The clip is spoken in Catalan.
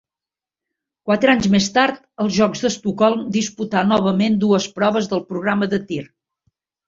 Quatre anys més tard, als Jocs d'Estocolm disputà novament dues proves del programa de tir.